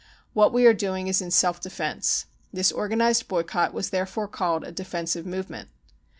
What we are doing is in self defence." This organised boycott was therefore called a defensive movement.